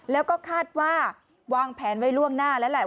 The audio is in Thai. แล้วก็คาดว่าวางแผนไว้ล่วงหน้าแล้วแหละ